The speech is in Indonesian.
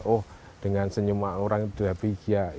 oh dengan senyum orang itu sudah berbahagia